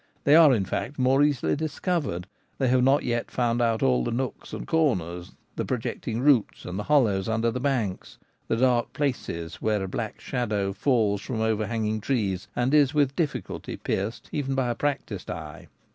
They are, in fact, more easily discovered ; they have not yet found out all the nooks and corners, the projecting roots and the hollows 1 88 The Gamekeeper at Home. under the banks, the dark places where a black shadow falls from overhanging trees and is with diffi culty pierced even by a practised eye.